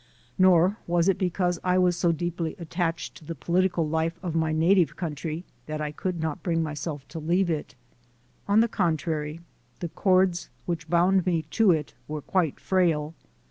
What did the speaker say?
Nor was it because I was so deeply attached to the political life of my native country that I could not bring myself to leave it. On the contrary, the cords which bound me to it were quite frail.